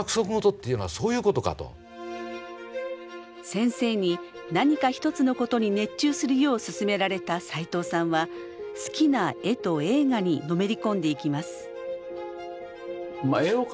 先生に何か一つのことに熱中するよう勧められたさいとうさんは好きな絵と映画にのめり込んでいきます。